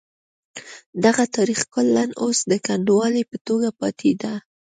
دغه تاریخي کلا اوس د کنډوالې په توګه پاتې ده.